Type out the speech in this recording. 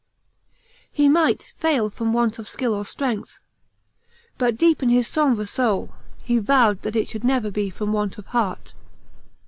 He might fail from want of skill or strength, but deep in his sombre soul he vowed that it should never be from want of heart.